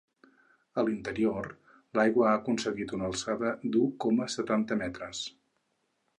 A l’interior, l’aigua ha aconseguit una alçada d’u coma setanta metres.